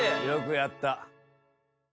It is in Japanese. よくやった。